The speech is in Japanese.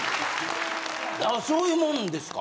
そういうもんですか。